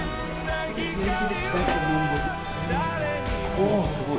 おっすごい。